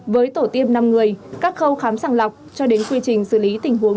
với tổ tiêm năm người các khâu khám sàng lọc cho đến quy trình xử lý tình huống